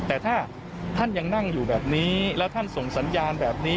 แต่ถ้าท่านยังนั่งอยู่แบบนี้แล้วท่านส่งสัญญาณแบบนี้